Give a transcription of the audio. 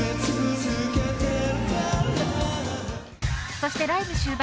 そして、ライブ終盤。